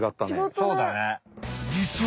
そうだね。